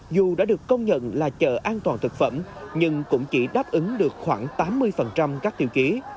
dù đã được công nhận là chợ an toàn thực phẩm nhưng cũng chỉ đáp ứng được khoảng tám mươi các tiêu chí